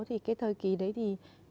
thì cái thời kì đấy thì